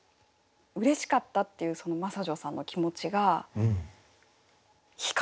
うれしかったっていうその真砂女さんの気持ちが光。